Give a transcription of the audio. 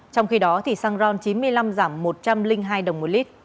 trong khi đó thì xăng ron chín mươi năm giảm một trăm linh hai đồng